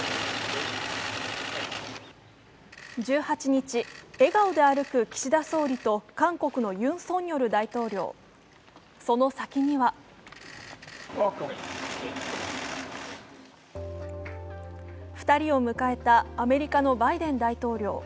１８日、笑顔で歩く岸田総理と韓国のユン・ソンニョル大統領、その先には２人を迎えたアメリカのバイデン大統領。